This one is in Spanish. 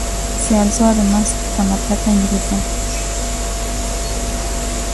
Se alzó además con la plata individual.